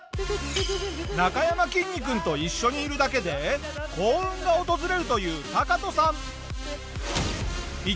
なかやまきんに君と一緒にいるだけで幸運が訪れるというタカトさん。